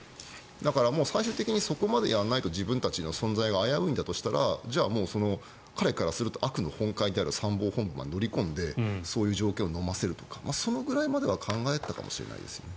だから最終的にそこまでやらないと自分たちの存在が危ういんだとしたら彼からすると悪の本懐である参謀本部に乗り込んでそういう状況をのませるとかそういうことは考えたと思いますね。